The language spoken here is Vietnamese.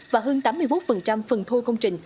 và hơn tám mươi một phần thô công trình